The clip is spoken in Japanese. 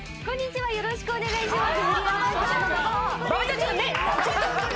よろしくお願いします。